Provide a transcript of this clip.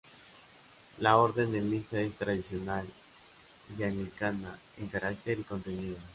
La Orden de Misa es tradicional y anglicana en carácter y contenido.